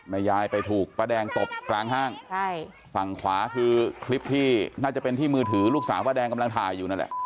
ยายไปถูกป้าแดงตบกลางห้างใช่ฝั่งขวาคือคลิปที่น่าจะเป็นที่มือถือลูกสาวป้าแดงกำลังถ่ายอยู่นั่นแหละ